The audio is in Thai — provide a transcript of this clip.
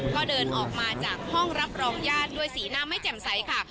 ก็เดินออกมาจากห้องรับรองญาติด้วยสีหน้าไม่แจ่มใสค่ะ